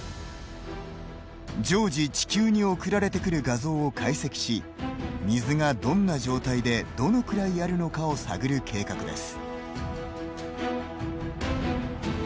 常時地球に送られてくる画像を解析し水がどんな状態でどのくらいあるのかを探る計画です。